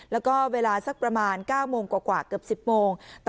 แล้วก็เวลา๙โมงกว่าเกือบ๑๐โมง